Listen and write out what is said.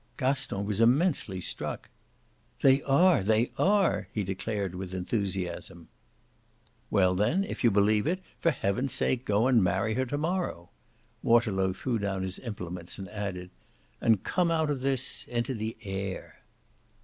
Gaston was immensely struck. "They are they are!" he declared with enthusiasm. "Well then, if you believe it, for heaven's sake go and marry her to morrow!" Waterlow threw down his implements and added: "And come out of this into the air."